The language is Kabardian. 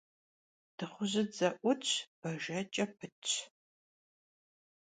Dığujıdze 'Utş, bajjeç'e pıtş.